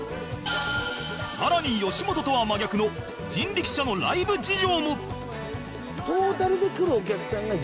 更に吉本とは真逆の人力舎のライブ事情も